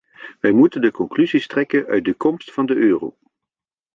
Wij moeten de conclusies trekken uit de komst van de euro.